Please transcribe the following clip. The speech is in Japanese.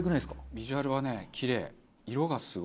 ビジュアルはねキレイ。